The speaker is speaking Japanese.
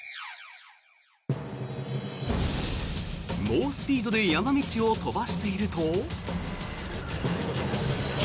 猛スピードで山道を飛ばしていると。